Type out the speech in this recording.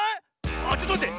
あちょっとまって！